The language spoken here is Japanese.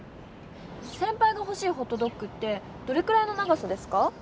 せんぱいがほしいホットドッグってどれくらいの長さですか？